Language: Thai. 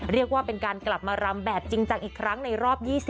เรียกว่าเป็นการกลับมารำแบบจริงจังอีกครั้งในรอบ๒๐